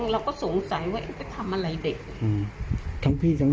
ร้องทุกวัน